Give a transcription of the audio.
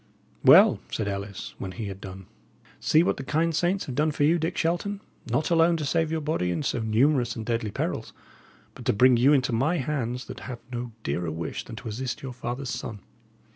"Well," said Ellis, when he had done, "see what the kind saints have done for you, Dick Shelton, not alone to save your body in so numerous and deadly perils, but to bring you into my hands that have no dearer wish than to assist your father's son.